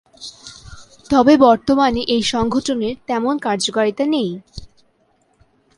তবে বর্তমানে এই সংঘটনের তেমন কার্যকারিতা নেই।